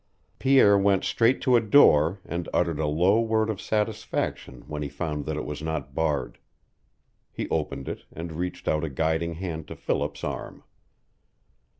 Pierre went straight to a door, and uttered at low word of satisfaction when he found that it was not barred. He opened it, and reached out a guiding hand to Philip's arm.